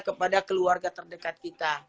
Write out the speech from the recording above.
kepada keluarga terdekat kita